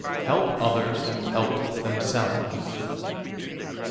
Help others help themselves.